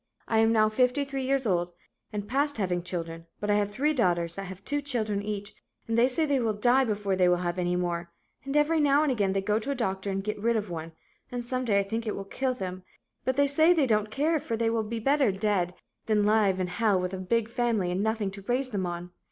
I am now 53 years old and past having children but I have 3 daughters that have 2 children each and they say they will die before they will have any more and every now and again they go to a doctor and get rid of one and some day I think it will kill them but they say they don't care for they will be better dead than live in hell with a big family and nothing to raise them on.